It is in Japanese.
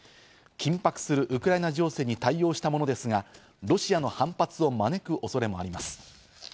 緊迫するウクライナ情勢に対応したものですが、ロシアの反発を招く恐れもあります。